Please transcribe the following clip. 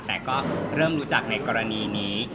แต่ก็เริ่มรู้จักในกรณีนี้